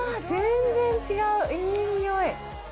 全然違う、いい匂い。